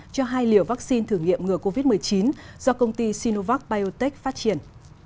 cho hai liều vaccine thử nghiệm ngừa covid một mươi chín do công ty sinovac biotech phát triển